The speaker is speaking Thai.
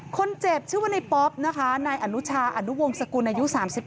คนเจ็บชื่อว่าในป๊อปนะคะนายอนุชาอนุวงศกุลอายุ๓๑